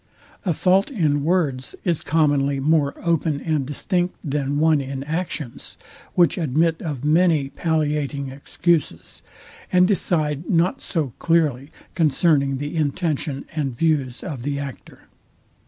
A fault in words is commonly more open and distinct than one in actions, which admit of many palliating excuses, and decide not so clearly concerning the intention and views of the actor.